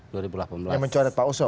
yang mencoret pak oso